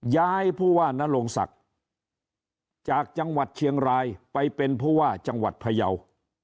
ย้ายผู้ว่านโรงศักดิ์จากจังหวัดเชียงรายไปเป็นผู้ว่าจังหวัดพยาว